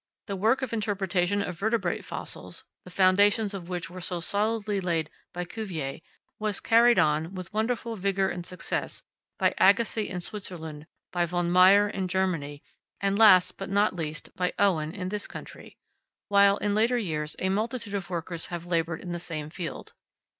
The work of interpretation of vertebrate fossils, the foundations of which were so solidly laid by Cuvier, was carried on, with wonderful vigour and success, by Agassiz in Switzerland, by Von Meyer in Germany, and last, but not least, by Owen in this country, while, in later years, a multitude of workers have laboured in the same field.